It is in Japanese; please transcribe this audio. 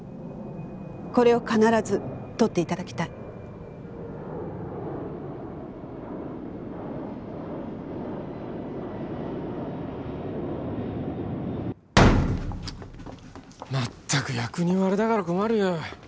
これを必ずとっていただきたいチッまったく役人はあれだから困るよ